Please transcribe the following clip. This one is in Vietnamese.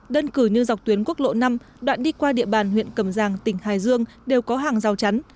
đơn cử như dọc tuyến quốc lộ năm đoạn đi qua địa bàn huyện cầm giang tỉnh hải dương đều có hàng rào chắn